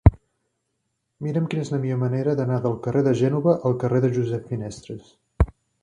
Mira'm quina és la millor manera d'anar del carrer de Gènova al carrer de Josep Finestres.